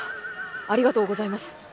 ありがとうございます。